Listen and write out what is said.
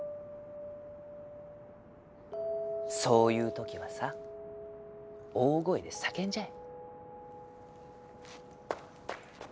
そういうときはさ大声で叫んじゃえ。